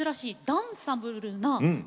ダンサブルなね。